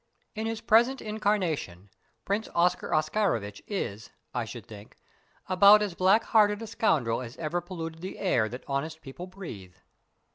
In his present incarnation, Prince Oscar Oscarovitch is, I should think, about as black hearted a scoundrel as ever polluted the air that honest people breathe."